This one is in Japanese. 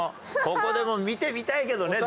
ここでも見てみたいけどね